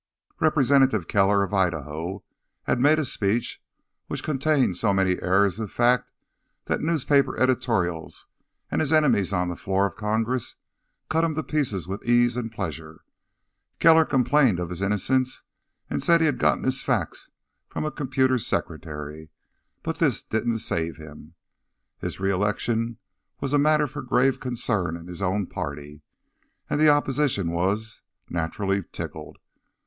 Representative Keller of Idaho had made a speech which contained so many errors of fact that newspaper editorials, and his enemies on the floor of Congress, cut him to pieces with ease and pleasure. Keller complained of his innocence and said he'd gotten his facts from a computer secretary, but this didn't save him. His re election was a matter for grave concern in his own party, and the opposition was, naturally, tickled.